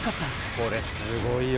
これ、すごいよ。